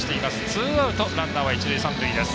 ツーアウトランナーは一塁三塁です。